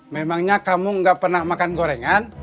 memangnya kamu nggak pernah makan gorengan